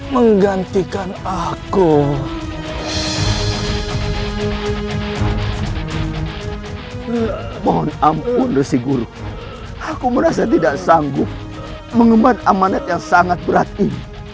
mohon ampun resi guru aku merasa tidak sanggup mengembal amanat yang sangat berat ini